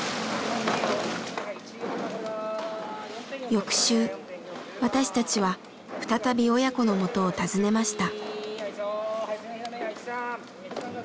翌週私たちは再び親子の元を訪ねました。